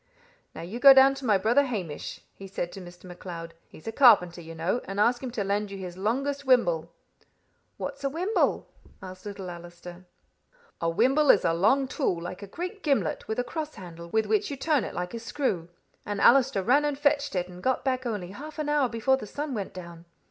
"'Now you go down to my brother Hamish,' he said to Mr. MacLeod; 'he's a carpenter, you know, and ask him to lend you his longest wimble.'" "What's a wimble?" asked little Allister. "A wimble is a long tool, like a great gimlet, with a cross handle, with which you turn it like a screw. And Allister ran and fetched it, and got back only half an hour before the sun went down.